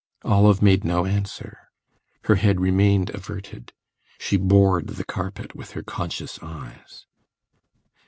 Olive made no answer; her head remained averted, she bored the carpet with her conscious eyes.